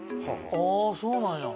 ああそうなんや。